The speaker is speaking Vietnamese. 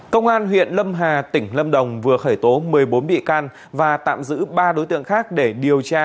công an huyện lâm hà tỉnh lâm đồng vừa khởi tố một mươi bốn bị can và tạm giữ ba đối tượng khác để điều tra